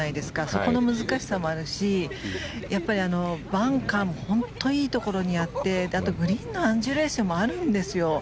そこの難しさもあるしバンカーも本当にいいところにあってあとグリーンのアンジュレーションもあるんですよ。